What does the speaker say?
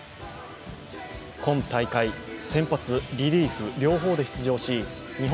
今大会先発、リリーフ両方で出場し日本